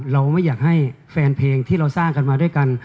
เราไม่อยากให้แฟนเพลงที่เราสร้างกันมาด้วยกัน